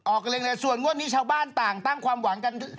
ออกเร็งเลยส่วนงวดนี้ชาวบ้านต่างตั้งความหวังกัน